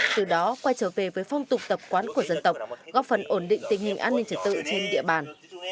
từ đó quay trở về với phong tục tập quán của dân tộc góp phần ổn định tình hình an ninh trật tự trên địa bàn